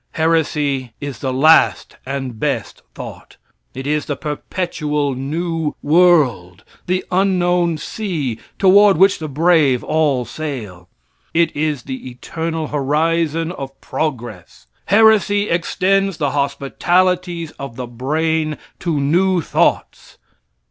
Heresy is the last and best thought. It is the perpetual new world; the unknown sea, toward which the brave all sail. It is the eternal horizon of progress. Heresy extends the hospitalities of the brain to new thoughts.